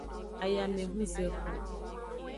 Ayamehunzexu.